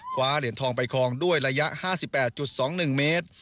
คว้าเหรียญทองไปคลองด้วยระยะ๕๘๒๑เมตร